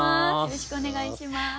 よろしくお願いします。